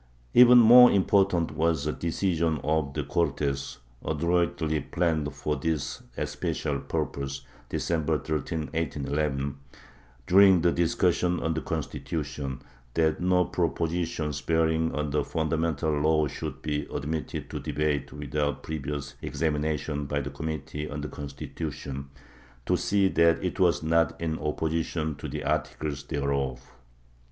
Even more important was a decision of the Cortes, adroitly planned for this especial purpose, December 13, 1811, during the discussion on the Constitution, that no propositions bearing on the fundamental law should be admitted to debate without previous examination by the committee on the Constitu tion, to see that it was not in opposition to the articles thereof.